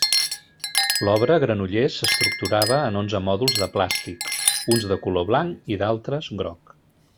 L’obra Granollers s’estructurava en onze mòduls de plàstic, uns de color blanc i d’altres, groc.